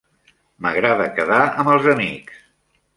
M'agrada quedar amb els amics.